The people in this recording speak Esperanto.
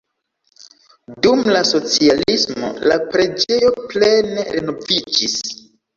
Dum la socialismo la preĝejo plene renoviĝis.